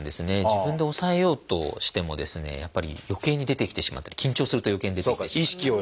自分で抑えようとしてもやっぱりよけいに出てきてしまったり緊張するとよけいに出てきてしまったり。